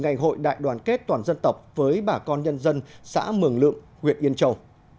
ngày hội đại đoàn kết toàn dân tộc với bà con nhân dân xã mường lượm huyện yên châu